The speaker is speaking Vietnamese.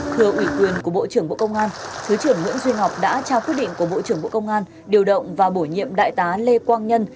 thưa ủy quyền của bộ trưởng bộ công an thứ trưởng nguyễn duy ngọc đã trao quyết định của bộ trưởng bộ công an điều động và bổ nhiệm đại tá lê quang nhân